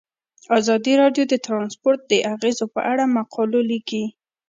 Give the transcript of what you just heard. ازادي راډیو د ترانسپورټ د اغیزو په اړه مقالو لیکلي.